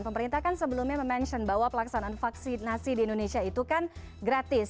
pemerintah kan sebelumnya mention bahwa pelaksanaan vaksinasi di indonesia itu kan gratis